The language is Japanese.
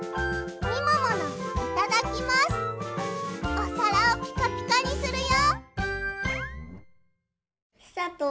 おさらをピカピカにするよ。